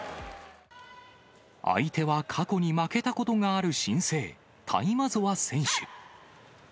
相手は過去に負けたことがある新星、タイマゾワ選手。